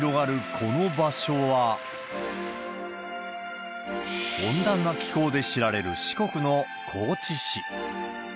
この場所は、温暖な気候で知られる、四国の高知市。